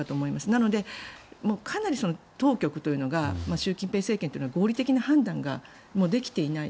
なので、かなり当局というのが習近平政権というのが合理的な判断ができていないと。